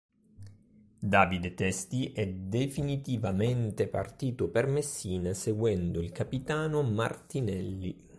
Davide Testi è definitivamente partito per Messina seguendo il capitano Martinelli.